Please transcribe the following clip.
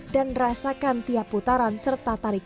dan rasakan tiap putaran serta tanding